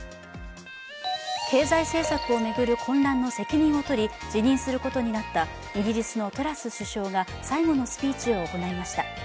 経済政策を巡る混乱の責任をとり辞任することになったイギリスのトラス首相が最後のスピーチを行いました。